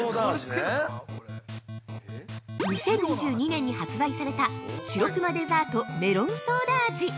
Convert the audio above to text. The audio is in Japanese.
◆２０２２年に発売された「白くまデザートメロンソーダ味」。